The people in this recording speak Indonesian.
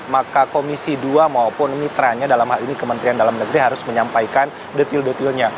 maka komisi dua maupun mitranya dalam hal ini kementerian dalam negeri harus menyampaikan detil detilnya